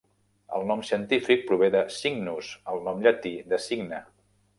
El nom científic prové de "cygnus", el nom llatí del cigne.